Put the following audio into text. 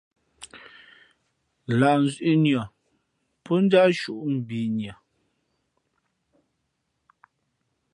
Lah nzʉ̄ʼ nʉα pó njáʼ shūʼ mbǐnʉα.